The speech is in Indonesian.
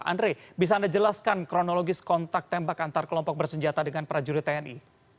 andre bisa anda jelaskan kronologis kontak tembak antar kelompok bersenjata dengan prajurit tni